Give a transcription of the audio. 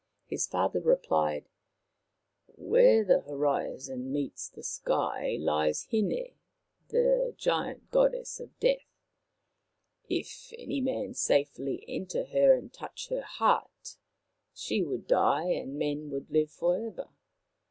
His father replied: " Where the horizon meets the sky lies Hin6, the giant Goddess of Death. If any man safely enter her and touch her heart, she would die and men would live for ever.